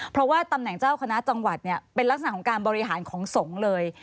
เพราะว่าตำแหน่งเจ้าคณะจังหวัดเนี่ยเป็นลักษณะของการบริหารของสงฆ์เลย